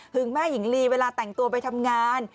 แม่หญิงลีเวลาแต่งตัวไปทำงาน